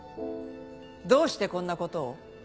どうしてこんなことを？